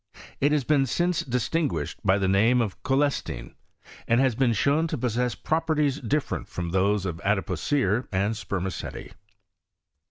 It has since been distinguished by the name of cho lestine ; and has been shown to possess properties different from those of adipocire and spermaceti.